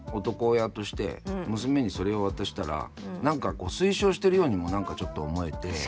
男親として娘にそれを渡したら何かこう推奨してるようにも何かちょっと思えて。